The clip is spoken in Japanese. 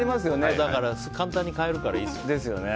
だから、簡単に買えるからいいですよね。